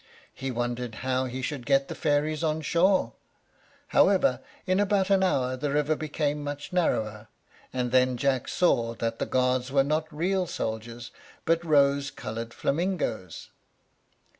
He wondered how he should get the fairies on shore. However, in about an hour the river became much narrower, and then Jack saw that the guards were not real soldiers, but rose colored flamingoes.